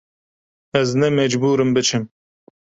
Ez ne mecbûr im biçim.